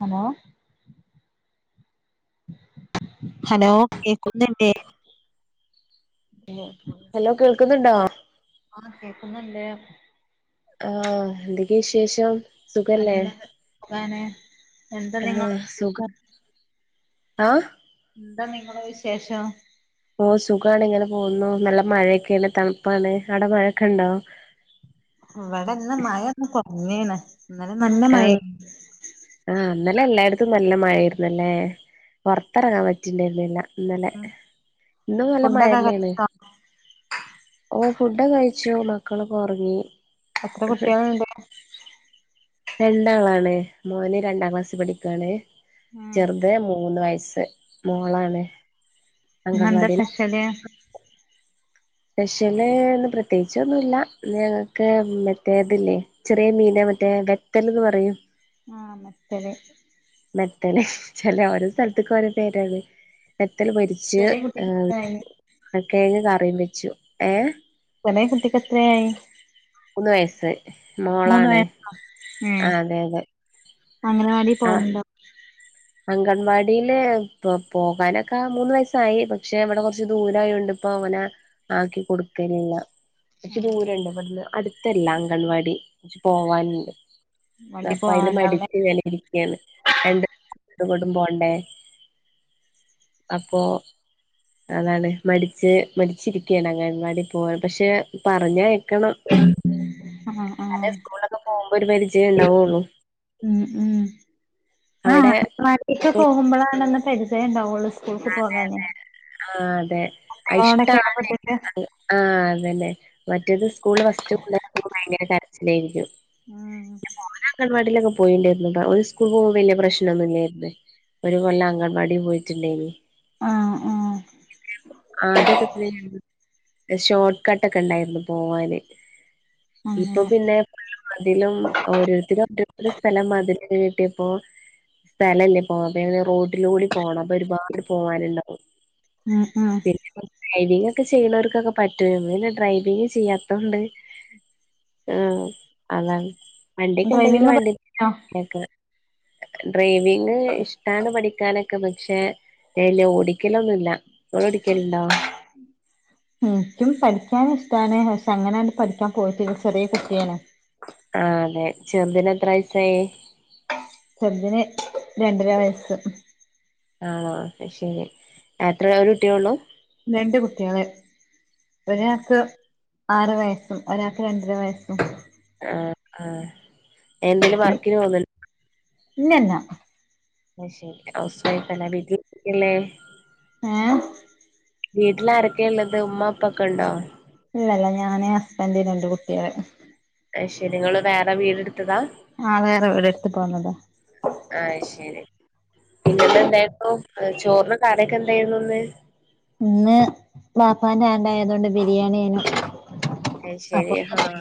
Hello. Hello കേക്കുന്നില്ലേ. Hello കേൾ ക്ക്ന്നുണ്ടോ. ആഹ് കേക്കുന്നുണ്ട്. ആഹ് എന്തൊക്കെവിശേഷം. നല്ലത് സുഖാണ്. എന്താ നിങ്ങളെ ആഹ് സുഖം ആഹ്. ന്ത നിങ്ങള് വിശേഷം. ഓഹ് സുഖാണ് ങ്ങനെ പോകുന്നു നല്ല മഴയൊക്കെയാണ് തണുപ്പാണ് അടെ മഴൊക്കെണ്ടോ. ഇവടെന്ന് മഴൊന്ന് കൊർഞ്ഞിണ് ഇന്നലെ നല്ല മയെ ആണോ ആഹ് ന്നലെ എല്ലായിടത്തും നല്ല മഴയ്രുന്നല്ലേ പൊർത്തെർങ്ങാ പറ്റിണ്ടായിരുന്നില്ല. ഇന്നലെ ഉം ഇന്നും നല്ല ഫുഡൊക്കെ മഴന്നെണ്. കഴിച്ചോ ഓഹ് ഫുഡ കഴിച്ചോ മക്കളൊക്കൊർങ്ങി. എത്ര കുട്ട്യള്ണ്ട്. രണ്ടാളാണ് മോന് രണ്ടാം ക്ലാസ് പഠിക്കാണ്. ഉം ചെർത് മൂന്ന് വയസ്സ് മോളാണ്. ന്നെന്താ അംഗൻവാടിയിലാണ് സ്‌പെഷല്. പെഷ്യല് ന്ന് പ്രത്യേകിച്ചൊന്നുല്ല ഇന്ന് ഞങ്ങക്ക് മറ്റേതില്ലേ. ചെറ്യേ മീനെ മറ്റേ വെത്തൽന്ന് പറയും. ആഹ് മെത്തല്. മെത്തല് ചലോ ഓരോ സൽത്ത്ക്കോരോ പേരാണ് മെത്തൽ പൊരി ച്ച് ചെറിയ കുട്ടിക്ക് എത്രയായി ഏഹ് കേങ്ങ് കറിം വെച്ചു ഏഹ്. കൊനെ കുട്ടിക്കത്രയായി. ഉന്ന് വയസ്സ് മോളാണ്. അഹ് ഏഹ് ആ അതെ അതെ അങ്ങലവാടി ആ പോവല്ണ്ടോ. അംഗൻവാടിയില് ഇപ്പൊ പോകാനൊക്ക മൂന്ന് വയസായി പക്ഷെ വടെ കൊർച്ച് ദൂരായോണ്ട്. അപ്പൊ അവനെ ആക്കി കൊടുക്കലില്ല. പച്ച ആഹ് ആഹ് ദൂരണ്ട് ഇവിടുന്ന് അടുത്തല്ല അംഗൻവാടി ച്ച് പോവാനുണ്ട്. വണ്ടിക്ക് പ്പ അതിനാ പോവാണ്ടാവുല്ലേ മടിച്ചി വന് ഇരിക്കയാണ് രണ്ട് ഇ കൊട്ടുംപോണ്ടേ അപ്പൊ അതാണ് മടിച്ച് മടിച്ചിരിക്കയാണ് അങ്ങൻവാടി പോതെ പക്ഷെ പറഞ്ഞ ഉം [unintelligible] ന്നാലേ സ്കൂളൊക്കെ പോകുമ്പോ ഒരു പരിചയം ഉണ്ടാവുള്ളു. ഉം അവിടെ മടിച്ചിട്ട് പോകുമ്പോഴാണ പരിചയം ഉണ്ടാവുള്ളു. അതെ അതെ ആഹ് അതെ കുട്ടികളോടൊക്കെ ഇഷ്ടണ് ഇടപെട്ടിട്ട് ആഹ് അതന്നെ.. മറ്റേത് സ്കൂള ഫസ്റ്റ് പോന്നേനൊക്കെ ഭയങ്കര കരച്ചിലായിരിക്കും പിന്നേ മോനഅങ്കൻവാടിക്കെ പോയിണ്ടായിരുന്നു ഒരു സ്കൂൾ പോകുമ്പോ വലിയ പ്രശ്നംന്നുമല്ലായിരുന്ന ഒരു കൊല്ലം അങ്കൻവാടി പോയിട്ടുണ്ടായിരുന്നു. ആഹ് ആഹ് ആദ്യൊക്കെങ്ങനേരുന്നു ഷോർട്ട് കട്ട് ഒക്കെ ഉണ്ടായിരുന്നു പോവാന് ഇപ്പൊ അങ്ങനെ പിന്നെ അതിലും ഓരോരുത്തരും ഓര സ്ഥലം മതില് കെട്ടിയപ്പോ? സ്ഥലന്നെ പോണം അപ്പ റോട്ടില കൂടി പോണം അപ്പൊ ഒരുപാട് പോവാനുണ്ടാവും. ഉം ഉം. പിന്നെ ഡ്രൈവിംഗ് ഒക്കെ ചെയ്യുന്നവർക്കൊക്കെ പറ്റുവന്ന ഡ്രൈവിങ് ചെയ്യാത്തൊണ്ട്? ആഹ് അതാ വണ്ടിക്ക ഉണ്ടെങ്കിൽ ഡ്രൈവിംഗ് പഠിച്ചോ വണ്ടിക്ക ഡ്രൈവിങ് ഇഷ്ടാണ് പഠിക്കാനൊക്കെ പക്ഷെ അല് ഓടിക്കലൊന്നുല്ല. ഒള്ളോടിക്കൽണ്ടോ? എനിക്കും പഠിക്കാൻ ഇഷ്ടാണ് പക്ഷെ അങ്ങനെ പഠിക്കാൻ പോയിട്ട ചെറിയ കുട്ട്യണ്. ആഹ് അതെ ചെറുതിന് എത്ര വയസായി? ചെറിതിന് രണ്ടര വയസ്സ്. ആണോ ശരി എത്ര ഒരു കുട്ടിയേ ഉള്ളൂ? രണ്ട് കുട്ടികള് ഒരാക്ക് ആറ് വയസ്സും ഒരാൾക്ക് രണ്ടര വയസ്സും. ആഹ് ആഹ് എന്തേലും വർക്കിന് പോന്നൊ ഇല്ലല്ല. അഹ് ശരി ഹൗസ് വൈഫ് അല്ല? വീട്ടിലല്ലേ? ഏഹ് വീട്ടിലാരൊക്കെ ഉള്ളത് ഉമ്മപ്പ ഒക്കെ ഉണ്ടോ? ഇല്ലല്ല ഞാനാ ഹസ്ബന്ഡ് രണ്ട് കുട്ടികള്. അയ്ശരി നിങ്ങള് വേറെ വീടെടുത്തതാ? ആഹ് വേറെ വിട് എടുത്ത് പോന്നതാ. ആയ്ശരി. പിന്നെന്ന എന്തായിരുന്നു ചോറിന് കറിയൊക്കെ എന്തായിരുന്നു ഇന്ന്? ഇന്ന് വെപ്പാൻ്റെ ആണ്ടായതുകൊണ്ട് ബിരിയാണിയായിനു. അയ്ശരി ആഹ്.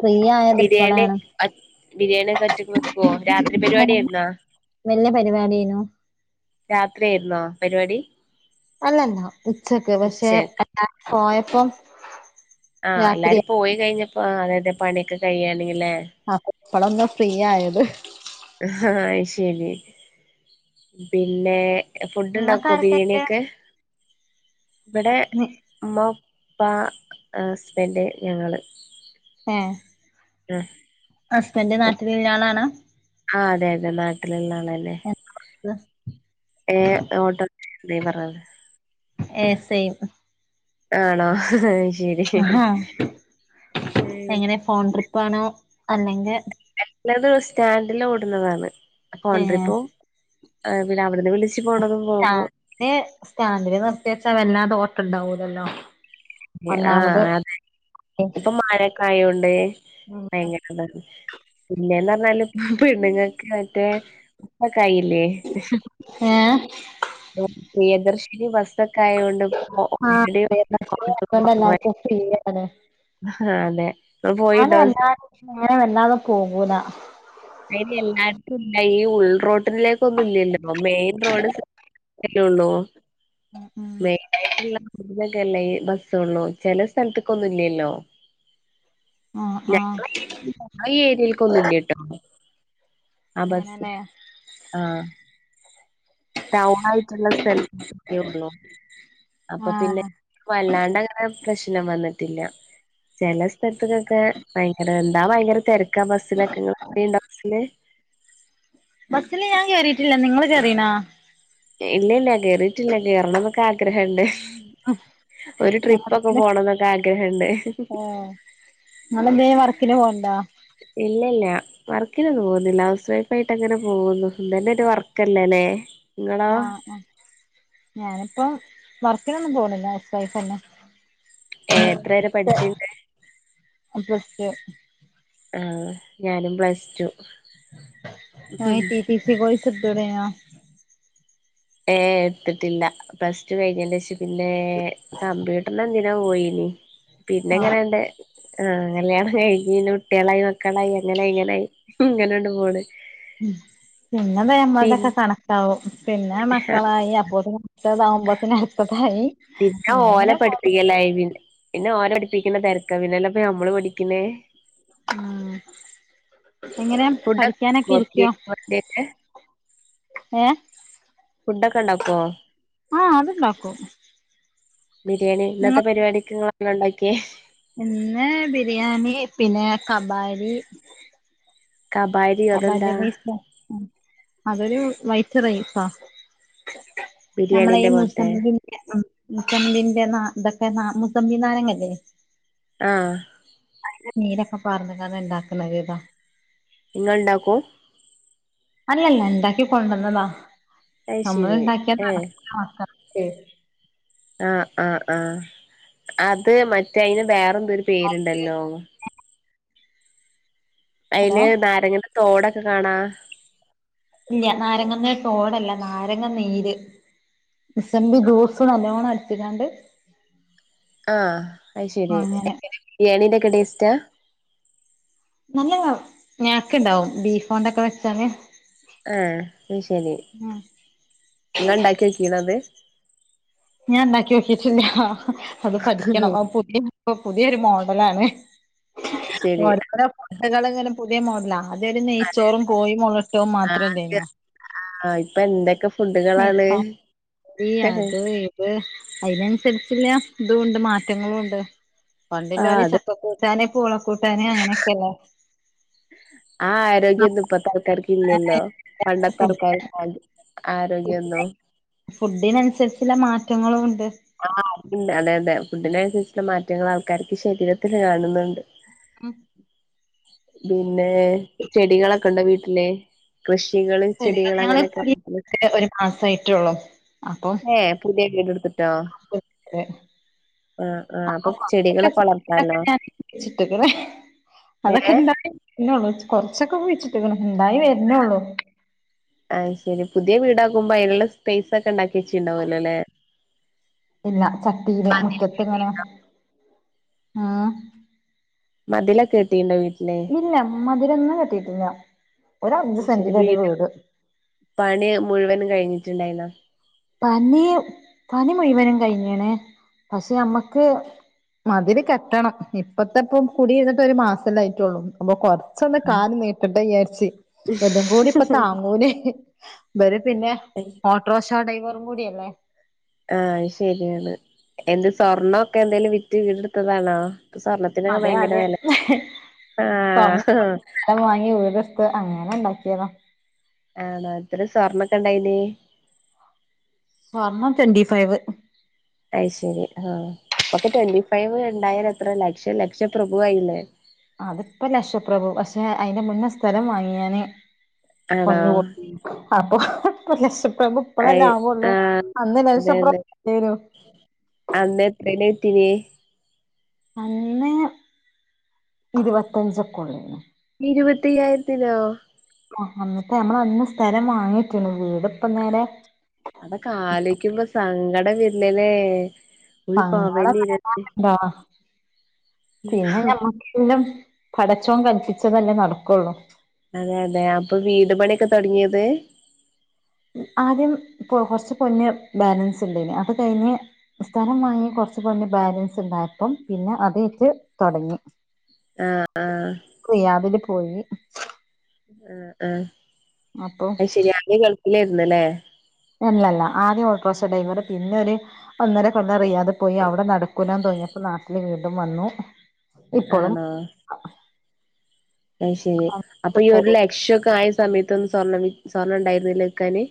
ഫ്രീ ആയ ബിരിയാണി ബിരിയാണി ഒക്കെ ഒറ്റക്ക് വെക്കുവോ രാത്രി പരിപാടി ആയിരിന്നോ? വല്ല്യ പരിപാടിയേനു. രാത്രി ആയിരുന്നോ പരിപാടി. അല്ലല്ലാ ഉച്ചക്ക് പക്ഷെ ഉച്ചക്ക് എല്ലാരും പോയപ്പം. ആഹ് രാത്രിയാ എല്ലാരും പോയി കഴിഞ്ഞപ്പോ അതായത് പണിയൊക്കെ കഴിയാണെങ്കില്ലേ? ആഹ് ഇപ്പളൊന്ന് ഫ്രീ ആയത്. ആഹ് അയ്ശരി പിന്നെ? ഫുഡ് നിങ്ങക്ക് ഉണ്ടാക്കോ ആരൊക്കെണ്ട് ബിരിയാണിയൊക്കെ? ഇവിടെ നി ഉമ്മ ഉപ്പ ഹസ്ബന്ഡ് ഞങ്ങള് ഏഹ് ആ ഹസ്ബൻഡ് നാട്ടില് ഉള്ളാളണോ? ആഹ് അതെ അതെ നാട്ടിലുള്ള ആള് തന്നേ. [unintelligible] ഏഹ് ഓട്ടോ ഡ്രൈവറാ- ഏഹ് സെയിം- ആണോ? ശരി ആഹാ എങ്ങനെ ഫോൺ ട്രിപ്പാണോ അല്ലെങ്കിൽ- അല്ലത് സ്റ്റാൻഡില് ഓടുന്നതാണ് ഫൊൺ ഏ ട്രിപ്പും പിന്നെ അവിടുന്ന് വിളിച് ച്ച് പോണതും പോകും. സ്റ്റാന്റില് നിർത്തി വെച്ചാ വല്ലാതോട്ടുണ്ടാവൂലല്ലോ ആഹ് അതെ ഇപ്പൊ മഴ കായുണ്ടേ ഉം ഭയങ്കര പിന്നേന്ന് പറഞ്ഞാല് ഇപ്പ പെണ്ണുങ്ങൾക്ക് മറ്റേ [unintelligible] കായില്ലേ- ഏഹ് പ്രിയദർശിനി ബസ്സൊക്കെ ആയൊണ്ട് ഇപ്പോ ഓ ആഹ് പെരുന്നാക്ക് അതുകൊണ്ട് എല്ലാർക്കും ഫ്രീയാണ് അതെ പോയിണ്ടോ? ഞാനെ വലാതെ പോകൂലാ- അയിന് എല്ലാർക്കും ഇല്ല ഈ ഉൾ റോട്ടിലേക്ക് ഒന്നും ഇല്ലല്ലോ മെയിൻ റോഡ് ലുള്ളൂ ഉം യിട്ടുള്ളൊക്കെല്ലേ ഈ ബസ്സള്ളു ചെല സ്ഥലത്തക്കൊന്നുല്ലല്ലോ? ആഹ് ആഹ് ആഹ് ഏരിയൽക്കൊന്നുല്ലട്ടോ ആഹ് ബസ്സ് അങ്ങനെല്ലേ ആഹ് ടൗൺ ആയിട്ടുള്ള സ്ഥലത്തക്കള്ളു അപ്പൊ പിന്നെ ആഹ് വല്ലാണ്ട്ങ്ങനെ പ്രശ്നം വന്നിട്ടില്ല. ചെല സ്ഥലത്തക്കൊക്കെ ഭയങ്കര എന്താ ഭയങ്കര തിരക്കാ ബസ്സിലൊക്കെ ഇങ്ങള് കേറീണ്ടൊ ആഹ് ബസ്സില് ബസ്സില് ഞാൻ കേറുട്ടില്ല നിങ്ങള് കയറീനാ? ഇല്ല ഇല്ല കേയറിയിട്ടില്ല കേറണം. കാഗ്രഹണ്ട് ഒരു ട്രിപ്പൊക്കെ പോണം എന്നൊക്കെ ആഗ്രഹുണ്ട് നിങ്ങളെന്തയാ വർക്കിന് പോകണ്ടാ? ഇല്ലല്ല വർക്കിനൊന്നും പോകുന്നില്ല ഹൗസ് വൈഫ് ആയിട്ട് അങ്ങനെ പോകുന്നു ഇതന്നെ ഒരു വർക്ക് കല്ലേലേ ആഹ് ആഹ് ഞാനിപ്പോ വർക്കിനൊന്നും പോണില്ല ഹൌസ് വൈഫ് തന്നെ- ഏഹ് എത്ര വരെ പഠിച്ചിണ്ട്? പ്ലസ്സ്റ്റു- ആഹ് ഞാനും പ്ലസ് ടു. ഞാ പിസിസി കൊയ്സ് എടുത്തുടായിരുന്നോ? ഏഹ് എടുത്തിട്ടില്ല പ്ലസ് ടു കഴിഞ്ഞ ശേഷം പിന്നെ കമ്പ്യൂട്ടറിന എ പോയിനി പിന്നെ ആഹ് എങ്ങനെയണ്ട ആഹ് കല്യാണം കൈഞ്ഞ്ന്നെകുട്ടയാളായി മകളായി അങ്ങനെങ്ങാനായി യാണ് കഴുകിന്നെ കുട്ടികളായി മക്കളായി ഇങ്ങനെണ്ട് പോണ് ഉം പിന്നെ പിന്ന നമ്മളതൊക്കെ കണക്കാവും പിന്നെ ആ മക്കളായി അപ്പോ ശസാവുംബത്തിനും അടുത്തതായി അങ്ങനെങ്ങനെ ലൈവിൽ- പിന്നെ ഓരോടിപ്പിക്കുന്ന തിരക്ക പിന്നെല്ലപ്പ നമ്മള് പടിക്കുന്നേ ഉം എങ്ങനെ പഠിക്കാനൊക്കെ ഫുഡൊക്കെണ്ടാക്കോ ഇരിക്കോ? ബിരിയാണിക്ക് വേണ്ടിട്ട് ഏഹ് ഫുഡ് ഒക്കെ ഉണ്ടാക്കോ? ആഹ് അത്ണ്ടാക്കും. ബിരിയാണി ഇന്നത്തെ നിങ്ങൾ പരിപാടിക് ഉണ്ടാക്കിയേ ഇന്ന് ബിരിയാണി പിന്നെ കബാരി കബാരി കബാരി റൈസ് അതരു വൈറ്റ് റൈസാ നമ്മള ഈ ബിരിയാണിന്റെ പോലത്തെ മുസ്ലംബി മുസംബി ന്റെ ഇതൊക്കെ മുസംബി നാരങ്ങല്ലേ ആഹ് അതിന്റെ നീരൊക്കെ ഒഴിച്ചു ഉണ്ടാക്കുന്നത് ഇതാ നിങ്ങ ൾ ഉണ്ടാക്കും അല്ലാ ല്ല ഇണ്ടാക്കി കൊണ്ടുവന്നതാ നമ്മള് അയ്ശരി ഇണ്ടാക്കിയാ ഏഹ് നടകൂല മകൾക്കോ ആഹ ആഹ് ആഹ അത് മറ്റേ അതിന് വേറെന്തരു പേരുണ്ടല്ലോ ഹലോ അതില് നാരങ്ങന്റെ തോടൊക്കെ കാണാ ഇല്ല നാരങ്ങ ന്റെ തോടല്ല നാരങ്ങ നീര് മുസംബി ജ്യൂസ്‌ നല്ലോണം അടിച്ചിട്ട് ആഹ അതശരി അങ്ങനെ ബിരിയാണീന്റെ ഒക്കെ ടേസ്റ്റാ നല്ല നേക്ക് ഉ ണ്ടാവും ബീഫോണ്ടൊക്കെ വെച്ചാണ് ആഹ അത് ശരി ഉം ഇങ്ങൾ ഉണ്ടാക്കി നോക്കിക്കൂണോ അത് ഞാൻ ഉണ്ടാക്കി നോക്കിയിട്ടില്ല അത് പഠിക്കണം ആ പുതിയ ഇപ്പൊ പുതിയൊരു മോഡലണ് അയ്ശരി ഓരോരുത്തരുടെ ഫുഡ്കൾ ഇങ്ങനും പുതിയ മോഡലാ അതൊരു നെയ്ച്ചോറും കോഴി മുളകിട്ടതും മാത്രംഅല്ലായിരുന്നോ ആഹ ഇപ്പൊ എന്തൊക്കെ ഫുഡുകളാണ് അതിനനുസരിച്ചുള്ള മാറ്റങ്ങളും ഉണ്ട് പണ്ടില്ല ഒലെ അത് ഇപ്പോ കൂടാന് പൂളക്കൂട്ടാന് അങ്ങനെയൊക്കെല്ലേ ആഹ് ആരോഗ്യംഒന്നും ഇപ്പോൾത്തെ ആൾക്കാർക്ക് ഇല്ലല്ലോ പണ്ടൊത്തെ ഫുഡ് ആൾക്കാർക്ക് ആ ആരോഗ്യൊന്നു ഫുഡിനനുസരിച്ചുള്ള മാറ്റങ്ങളും ഉണ്ട് അമ് അ മ് ഇല്ല അതെ അതെ ഫുഡിന്റെഅനുസരിച്ചുള്ള മാറ്റങ്ങൾ ആൾക്കാർക്ക് ശരീരത്തിൽ കാണുന്നുണ്ട് മ് പിന്നെ ചെടികളൊക്കെ ഉണ്ടോ വീട്ടില് കൃഷികള് ചെടികൾ അങ്ങനെക്ക ആഹ് കുറച്ചോ ഉള്ളൂ അപ്പൊ ഹേ പുതിയവീടെടുതിട്ടുണ്ട് അപ്പത്രെ ആഹ് ആഹ് അപ്പൊ ചെടികളൊക്കെ വളർത്തല്ലോ ഇഷ്ടക്കേട് അതൊക്കെ ഏ ഉണ്ടയി വരനുള്ളൂ കൊറച്ചൊക്കെ കുഴിച്ചിട്ടുണ്ട് ഉ ണ്ടായി വരുന്നേള്ളൂ ആഹ് ശരി പുതിയ വീടാക്കുമ്പോ അതിനുള്ള സ്പേസ് ഒക്കെ ഉണ്ടാക്കി വെച്ചിുണ്ടാവല്ലോ അല്ലെ. ഇല്ല ചട്ടിയില് മുറ്റത്തു ഇങ്ങനെ- ആഹ.. മതില് കെട്ടിയിട്ടുണ്ടോ വീട്ടിലെ - ഇല്ല മതിലൊന്നും കെട്ടിയിട്ടില്ല. ശരി വീട് പണി മുഴുവനും കഴിഞ്ഞിട്ടുണ്ടായില്ല. പണി പണി മുഴുവനും കഴിഞ്ഞണ് പക്ഷേ നമ്മക്ക് മതില് കെട്ടണം ഇപ്പത്തെപോ കുടിയിരുന്നിട് ഒരു മാസംല്ലായിട്ടള്ളൂ അപ്പൊ കൊറ ഇച്ചൊന്ന് കാല നീട്ട്ട്ടെ വിയരിച്ച എല്ലും കൂടി ഇപ്പൊ താങ്ങൂലെ പിന്നെ ഓട്ടോറിക്ഷ ഡ്രൈവർ കൂടിയല്ലേ- ആഹ അത് ശരിയാണ് എന്ത് സ്വർണൊക്കെ എന്തായാലും വി- വിറ്റ് വീടെടുത്തതാണോ സ്വർ- അതെ അതെ സ്വർണ്ണം ആഹ് കൊടുത്തു സ്ഥലം വാങ്ങി വീട്- അങ്ങനെ ഉണ്ടാക്കിയതാ ആണോ ഇത്ര സ്വർണ്ണൊക്കെ ഇണ്ടായിന്? സ്വർണ്ണം ട്വന്റിഫൈവ്. അയിശരി ആഹ ഇപ്പോക്കെ ട്വന്റി ഫൈവ് ഉണ്ടായാല് എത്ര ലക്ഷം ലക്ഷ പ്രഭുവായില്ലേ. അതിപ്പോ ലക്ഷപ്രഭു പക്ഷേ അതിന്റെ മുന്നേ സ്ഥലം വാങ്ങി ഞാന് ആണോ പൊന്നു കോ- അപ്പോ ലക്ഷ്യപ്രഭു ഇപ്പളെല്ലെ അയ് ആ വൊള്ളു. ആഹ് അന്ന് അതെ ലക്ഷപ്രഭു അതെ അല്ലേനു. അന്ന് എത്രേല്ല കിട്ടീനെ- അന്ന് ഇരുപത്തഞ്ചൊക്കെ ഒള്ളേന്നു. ഇരുപത്തിയ്യായിരത്തിനോ? ആഹ് അന്നത്തെ ഞമ്മൾ അന്ന് സ്ഥലം വാങ്ങിട്ട്ണ്. വീട് ഇപ്പ നേരെ- അതൊക്കെ ആലോയ്ക്കുമ്പോ സങ്കടം വര്ലല്ലേ. ഒരു പവന് ഇരുപത്തി- ബാ പിന്നെ ഞമ്മക്കെല്ലാം പടച്ചോൻ കളിപ്പിച്ചതല്ലേ നടക്കൊള്ളൂ. അതെ അതെ അപ്പോ വീട് പണിയൊക്കെ തൊടങ്ങിയത്. ആദ്യം കൊറ്ച്ച് പൊന്ന് ബാലൻസ് ഉണ്ടേനി അത് കഴിഞ്ഞ്- സ്ഥലം വാങ്ങി കൊറ്ച്ചു പൊന്ന് ബാലൻസ് ഇണ്ടായപ്പം പിന്നെ അതേ യ്റ്റ് തൊടങ്ങി. ആഹ് ആഹ്. കുയാബില് പോയി. ആഹ് ആഹ് അപ്പൊ അയ് ശെരി. ആദ്യ ഗൾഫിലായിരുന്നല്ലേ? അല്ലല്ല ആദ്യം ഓട്ടോറ്ക്ഷ ഡ്രൈവറ് പിന്നെ ഒരു ഒന്നര കൊല്ലം റിയാത് പോയി അവിടെ- നടക്കൂല്ലാന്ന് തോന്നിയപ്പോ നാട്ടില് വീണ്ടും വന്നു. ഇപ്പോളും ആണോ? അഹ് ശെരി അപ്പൊ ഈ ഒരു പോകും ലക്ഷൊക്കെ ആയ സമയത്തൊന്നും സ്വർണ്ണ സ്വർണ്ണം ഉണ്ടായിരുന്നില്ല വിക്കാന്?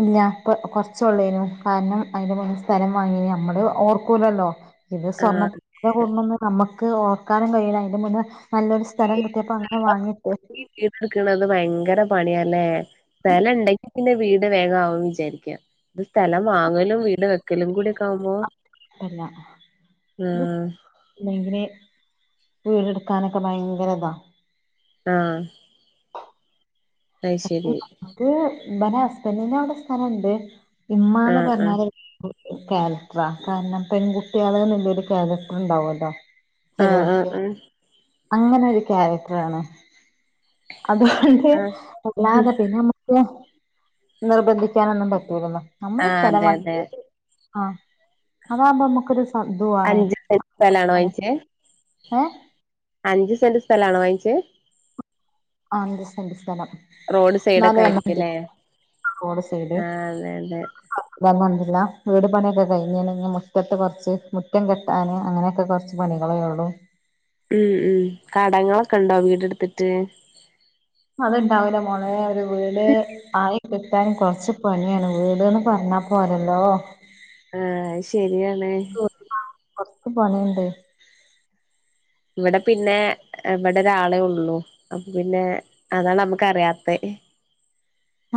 ഇല്ല ഇപ്പേ കൊറ് ച്ചൊള്ളേനും കാര്ണം അതിന്റെ മുന്നെ സ്ഥലം വാങ്ങിയ നമ്മള് ഓർക്കൂലല്ലോ. പിന്നെ ആഹ് സ്വർണ്ണത്തിന് കൂട [unintelligible] ന്ന് നമക്ക് ഓർക്കാനും കഴിയുല അതിന്റെ മുന്നേ നല്ലൊരു- സ്ഥലം കിട്ടിയപ്പോ അങ്ങനെ വാങ്ങിട്ട് ഈ വീട് ഇട്ക്ക്ണത് ഭയങ്കര പണിയാ ല്ലേ സ്ഥലം ഇണ്ടെങ്കില് ഇപെ തന്നെ വീട് വേഗ ആവുന്ന് വിചാരിക്ക ഇത് സ്ഥലം വാങ്ങലും വീട് വെ- വക്കലും കൂടിയൊക്കെ ആവുമ്പോ ആഹ്- ഭയങ്കെര ഇപ വീട്ട്ടുക്കനൊ ഒക്കെ ഭയങ്കര ഇതാ- ആഹ് അയ് ശെരി ത് ഹസ്ബൻറിന് ഇവിടെ സ്ഥലണ്ട്. ഇമ്മ എന്ന് ആഹ് ആഹ് പറഞ്ഞാല്- കാരക്റ്റ്ര കാരണം പെൺകുട്ട്യേള ഇന്നൊരു കാരക്റ്റർ ഇണ്ടാവൊല്ലോ? ആഹ് ആഹ ആഹ്.. അങ്ങനെ ഒരു കാരക്റ്റ്രാണ്. അതുകൊണ്ട് ആഹ് ഹും. അല്ലാതെ പിന്നെ നമുക്ക് നിർബന്ധിക്കാനൊന്നും പറ്റുല്ലല്ലോ. നമ്മുടെ ആഹ് സ്ഥലം അതെ വാങ്ങി അതെ ആ അതാകുമ്പോ നമുക്കൊരു- സധു ആണ് അഞ്ച് സെന്റ് സ്ഥലാണോ വാങ്ങിച്ചേ ഏ [unintelligible] അഞ്ച് സെന്റ് സ്ഥലാണോ വാങ്ങിച്ചേ? ആ അഞ്ചു സെന്റ് സ്ഥലം. റോഡ് നാല് സൈഡൊക്കെ കൊല്ലം, അഞ്ച് ആയിരിക്കുല്ലേ ആനല്ലേ. അതൊന്നുന്ന്ല്ല. വീട് പണിയൊക്കെ കഴിഞ്ഞ്ണ്. ഇനി മുറ്റത്ത് കൊറ്ച്ച് മുറ്റം കെട്ടാൻ അങ്ങനെയൊക്കെ കൊർച്ച് പണികളെ യൊള്ളു. ഉം ഉം കടങ്ങളൊക്കെണ്ടോ വീടെട്ത്തിട്ട്? അതുണ്ടാവുല്ല മോളെ ഒരു വീട് ആയി കിട്ടാന് കൊറ്ച്ച് പണ്യാണ് വീട്- പറഞ്ഞാ പോരല്ലോ. ആഹ് അത് ശരിയാണ് ശരി. കൊർച്ച പണിയ്ണ്ട് ഇവടെ പിന്നെ ഇവിടൊരാളേ ഒള്ളു. അപ്പ പിന്നെ, അതാ നമ്മുക്കറിയാത്തെ.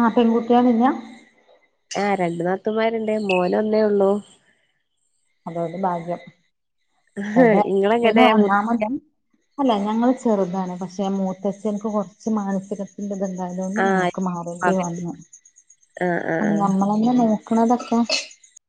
ആ പെൺകുട്ട്യേളില്ല? ആ രണ്ടു നാത്തൂൻമാരുണ്ട്, മോനൊന്നെ ഒള്ളൂ. അതോണ്ട് ഭാഗ്യം, അടെ പിന്നെ ഇങ്ങളെങ്ങനെ മു ഒന്നാമൻ അല്ല ഞങ്ങള് ചെറുതാണ്, പക്ഷെ മൂത്തച്ഛന്ക് കൊറച്ച് മാനസിക ബുദ്ധി യതു [unintelligible] കൊണ്ട് ആഹ് ഞങ്ങൾക്ക് മാറേണ്ടി ആഹ് വന്നു. ആഹ് അന്നു ആഹ് നമ്മളെ പിന്നെ നോക്ക്ണതൊക്കെ?